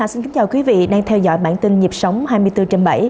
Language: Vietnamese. xin kính chào quý vị đang theo dõi bản tin nhịp sống hai mươi bốn trên bảy